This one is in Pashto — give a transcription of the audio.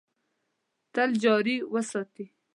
تل جاري وساتي .